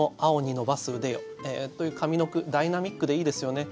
「伸ばす腕よ」という上の句ダイナミックでいいですよね。